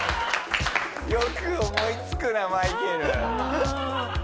よく思いつくなマイケル。